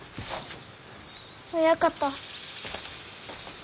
親方。